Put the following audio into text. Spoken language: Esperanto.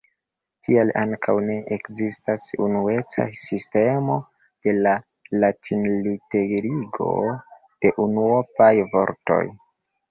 Tial ankaŭ ne ekzistas unueca sistemo de latinliterigo de unuopaj vortoj.